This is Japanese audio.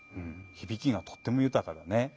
ひびきがとってもゆたかだね。